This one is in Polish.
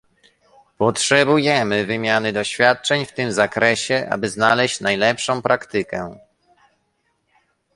Potrzebujemy wymiany doświadczeń w tym zakresie, aby znaleźć najlepszą praktykę